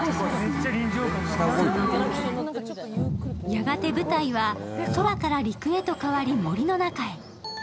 やがて舞台は空から陸へと変わり、森の中へ。